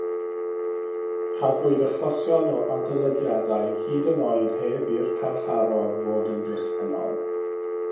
Cafwyd achosion o adolygiadau hyd yn oed heb i'r carcharor fod yn bresennol.